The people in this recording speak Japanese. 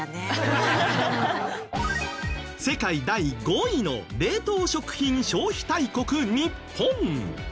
世界第５位の冷凍食品消費大国日本。